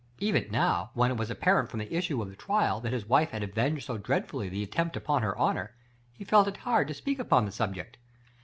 Even now, when it was apparent from the issue of the trial that his wife had avenged so dread fully the attempt upon her honor, he felt it hard to speak on the subject.